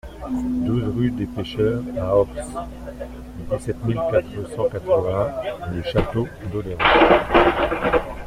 douze rue des Pecheurs A Ors, dix-sept mille quatre cent quatre-vingts Le Château-d'Oléron